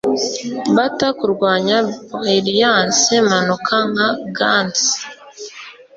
Batter kurwanya brilliance manuka nka gants